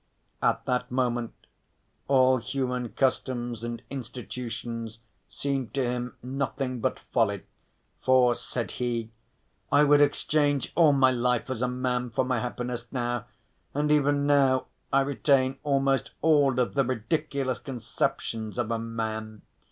At that moment all human customs and institutions seemed to him nothing but folly; for said he, "I would exchange all my life as a man for my happiness now, and even now I retain almost all of the ridiculous conceptions of a man.